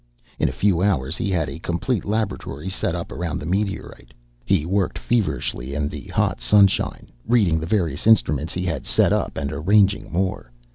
In a few hours he had a complete laboratory set up around the meteorite. He worked feverishly in the hot sunshine, reading the various instruments he had set up, and arranging more.